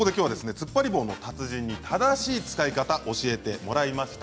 つっぱり棒の達人に正しい使い方を教えてもらいました。